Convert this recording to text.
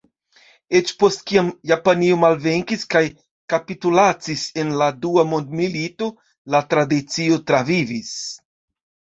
Eĉ post kiam Japanio malvenkis kaj kapitulacis en la Dua Mondmilito, la tradicio travivis.